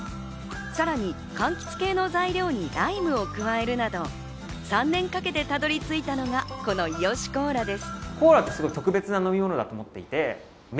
さらに柑橘系の材料にライムを加えるなど３年かけてたどり着いたのがこの伊良コーラです。